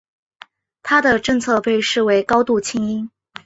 他的政策被视为高度亲英。